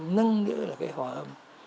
nâng nữa là cái hòa âm